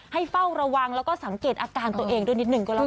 เฝ้าระวังแล้วก็สังเกตอาการตัวเองด้วยนิดหนึ่งก็แล้วกัน